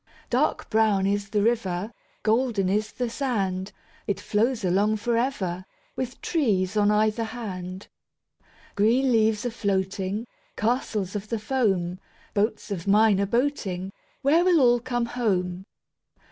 Dark brown is the river, Golden is the sand. It flows along for ever, With trees on either hand. Green leaves a floating, Castles of the foam, Boats of mine a boating— Where will all come home?